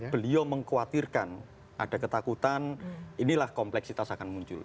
beliau mengkhawatirkan ada ketakutan inilah kompleksitas akan muncul